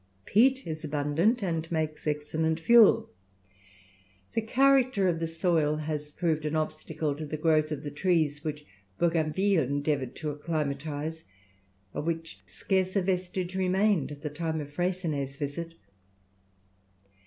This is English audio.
Peat is abundant and makes excellent fuel. The character of the soil has proved an obstacle to the growth of the trees which Bougainville endeavoured to acclimatize, of which scarce a vestige remained at the time of Freycinet's visit.